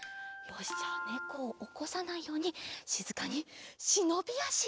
よしじゃあねこをおこさないようにしずかにしのびあし。